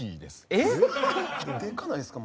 えっ？でかないですか？